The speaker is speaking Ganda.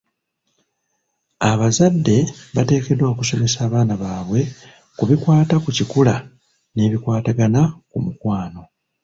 Abazadde bateekeddwa okusomesa abaana baabwe ku bikwata ku kikula, n'ebikwatagana ku mukwano.